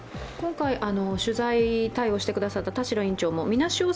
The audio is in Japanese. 今回、取材対応してくださった田代院長もみなし